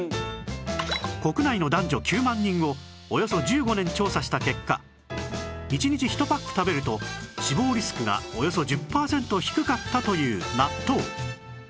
国内の男女９万人をおよそ１５年調査した結果１日１パック食べると死亡リスクがおよそ１０パーセント低かったという納豆